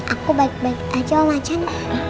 aku baik baik saja om ajan